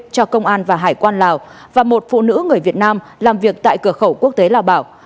cho công an và hải quan lào và một phụ nữ người việt nam làm việc tại cửa khẩu quốc tế lào bảo